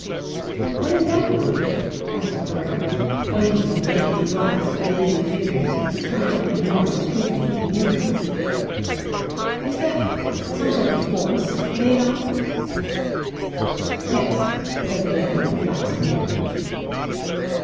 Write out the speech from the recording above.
"What is that doing?" asked Graham, pointing with the empty glass to the busy figures and trying to ignore the scrutiny of the new comer. "Is that some sort of force laid on?" "Yes," said the man with the flaxen beard.